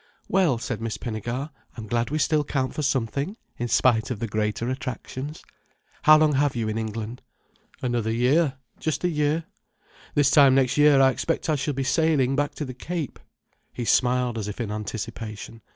"Well," said Miss Pinnegar. "I'm glad we still count for something, in spite of the greater attractions. How long have you in England?" "Another year. Just a year. This time next year I expect I shall be sailing back to the Cape." He smiled as if in anticipation.